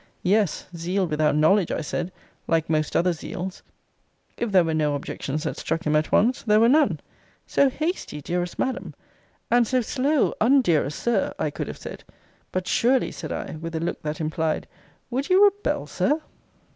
Yes, zeal without knowledge, I said like most other zeals if there were no objections that struck him at once, there were none. So hasty, dearest Madam And so slow, un dearest Sir, I could have said But SURELY, said I, with a look that implied, Would you rebel, Sir!